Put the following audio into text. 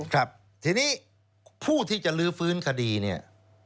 ครับทีนี้ผู้ที่จะลื้อฟื้นคดีเนี่ย